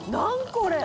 これ！」